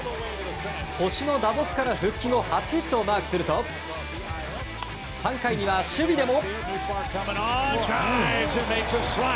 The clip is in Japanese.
腰の打撲から復帰後初ヒットをマークすると３回には守備でも。